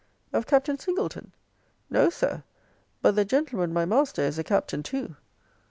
Of Captain Singleton? No, Sir. But the gentleman, my master, is a Captain too.